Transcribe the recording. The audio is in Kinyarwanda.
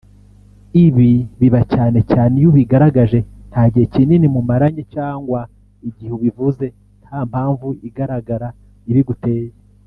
Ibi biba cyane cyane iyo ubigaragaje nta gihe kinini mumaranye cyangwa igihe ubivuze nta mpamvu igaragara ibiguteye